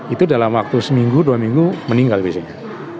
itu dalam waktu seminggu dua minggu meninggal biasanya